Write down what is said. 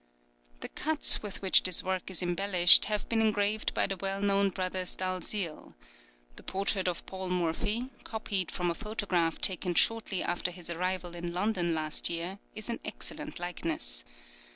The cuts with which this work is embellished have been engraved by the well known Brothers Dalziel. The portrait of Paul Morphy, copied from a photograph taken shortly after his arrival in London last year, is an excellent likeness.